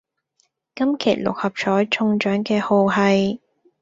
今期六合彩中獎嘅號係